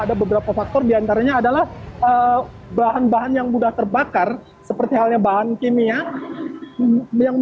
apakah api sudah berhasil dipadamkan